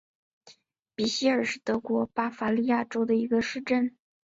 比希尔是德国巴伐利亚州的一个市镇。